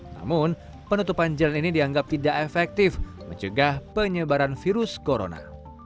namun penutupan jalan ini dianggap tidak efektif mencegah penyebaran virus corona